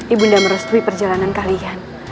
ibu nda merespui perjalanan kalian